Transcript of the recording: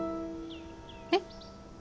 えっ？